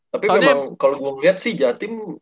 tapi emang kalo gua liat sih jatim